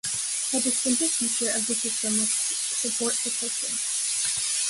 A distinctive feature of the system was support for Coaching.